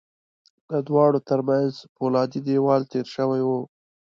د دواړو ترمنځ پولادي دېوال تېر شوی و